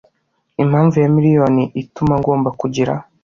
Impamvu ya miliyoni ituma ngomba kugira